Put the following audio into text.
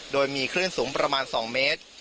โดยมีคลื่นสูงประมาณ๒เมตร